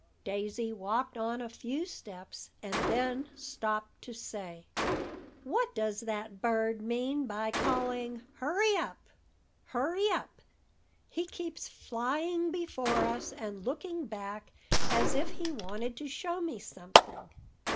Daisy walked on a few steps, and then stopped to say: "What does that bird mean by calling 'Hurry up, hurry up?' He keeps flying before us, and looking back as if he wanted to show me something."